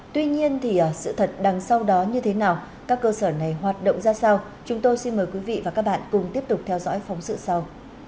tuy nhiên thì sự thật đằng sau đó như thế nào các cơ sở này hoạt động ra sao chúng tôi xin mời quý vị và các bạn cùng tiếp tục theo dõi phóng sự sau